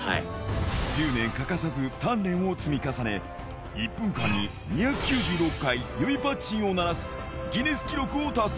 １０年欠かさず鍛錬を積み重ね、１分間に２９６回、指パッチンを鳴らすギネス記録を達成。